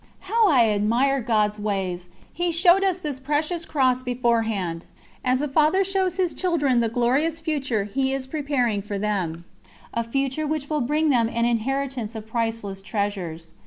How I admire God's ways! He showed us this precious cross beforehand, as a father shows his children the glorious future he is preparing for them a future which will bring them an inheritance of priceless treasures.